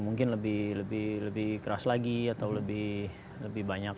mungkin lebih keras lagi atau lebih banyak